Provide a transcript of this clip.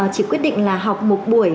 chỉ quyết định là học một buổi